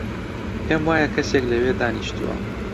پێم وایە کەسێک لەوێ دانیشتووە.